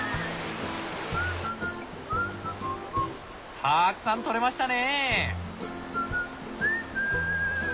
たくさん採れましたね！